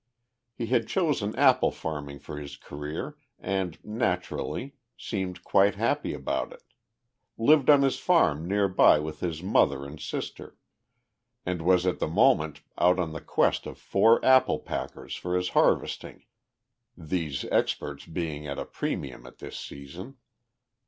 He had chosen apple farming for his career, and, naturally, seemed quite happy about it; lived on his farm near by with his mother and sister, and was at the moment out on the quest of four apple packers for his harvesting, these experts being at a premium at this season.